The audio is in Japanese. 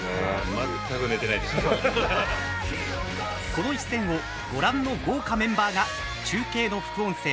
この一戦をご覧の豪華メンバーが中継の副音声